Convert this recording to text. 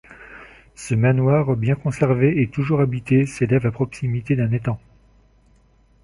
Ce manoir bien conservé et toujours habité s'élève à proximité d'un étang.